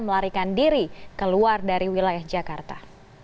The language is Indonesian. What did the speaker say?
melarikan diri keluar dari wilayah jakarta